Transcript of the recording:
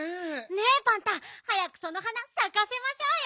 ねえパンタ早くその花さかせましょうよ！